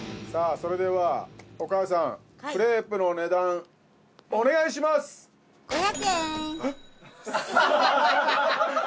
それではおかあさんクレープの値段お願いしますえっ？